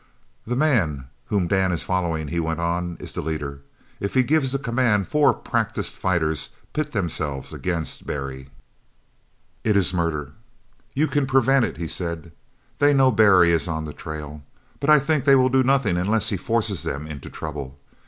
"The man whom Dan is following," he went on, "is the leader. If he gives the command four practised fighters pit themselves against Barry." "It is murder!" "You can prevent it," he said. "They know Barry is on the trail, but I think they will do nothing unless he forces them into trouble.